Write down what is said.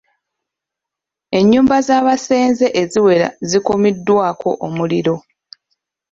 Ennyumba z'abasenze eziwera zikumiddwako omuliro.